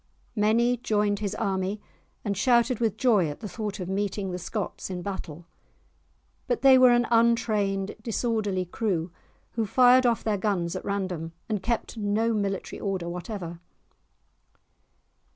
Many joined his army, and shouted with joy at the thought of meeting the Scots in battle. But they were an untrained disorderly crew, who fired their guns off at random and kept no military order whatever.